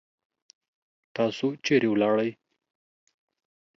تاسو چیرې ولاړی؟